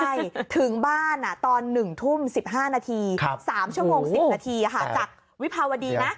ใช่ถึงบ้านตอน๑ทุ่ม๑๕นาที๓ชั่วโมง๑๐นาทีจากวิภาวดีนะ